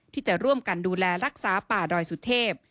ที่จะร่วมกันดูแลรักษาป่าดอยสุเทพ